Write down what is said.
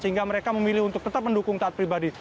sehingga mereka memilih untuk tetap mendukung taat pribadi